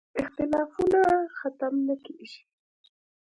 اختلافونه ختم نه کېږي.